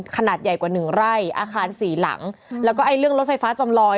ขนาดใหญ่กว่าหนึ่งไร่อาคารสี่หลังแล้วก็ไอ้เรื่องรถไฟฟ้าจำลอย